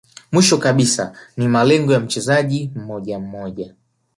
Mwisho kabisa ni malengo ya mchezaji mmoja mmoja